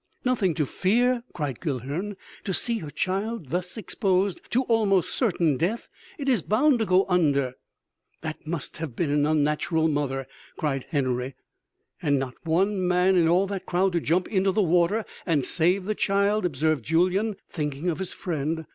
"Nothing to fear!" cried Guilhern. "To see her child thus exposed to almost certain death ... it is bound to go under...." "That must have been an unnatural mother," cried Henory. "And not one man in all that crowd to jump into the water and save the child!" observed Julyan thinking of his friend.